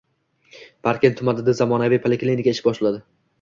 Parkent tumanida zamonaviy poliklinika ish boshladi